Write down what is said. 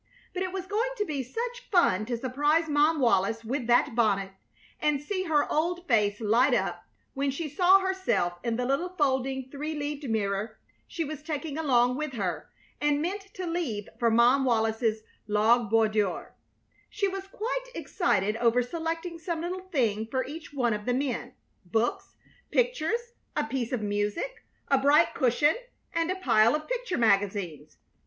But it was going to be such fun to surprise Mom Wallis with that bonnet and see her old face light up when she saw herself in the little folding three leaved mirror she was taking along with her and meant to leave for Mom Wallis's log boudoir. She was quite excited over selecting some little thing for each one of the men books, pictures, a piece of music, a bright cushion, and a pile of picture magazines.